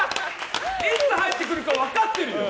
いつ入ってくるか分かってるよ！